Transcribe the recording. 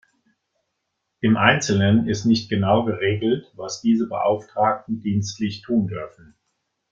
Im Einzelnen ist nicht genau geregelt, was diese Beauftragten dienstlich tun dürfen.